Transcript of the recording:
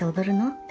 って。